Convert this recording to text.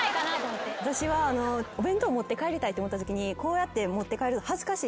私お弁当持って帰りたいって思ったときにこうやって持って帰るの恥ずかしいじゃないですか。